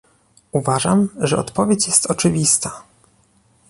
Uważam, że odpowiedź jest oczywista